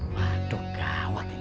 waduh gawat ini